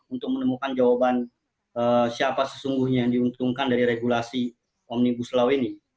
untuk menemukan jawaban siapa sesungguhnya yang diuntungkan dari regulasi omnibus law ini